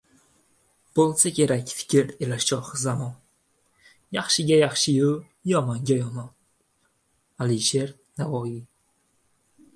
Bo‘lsa kerak fikr ila shohi zamon, Yaxshiga yaxshiyu, yomonga yomon. Alisher Navoiy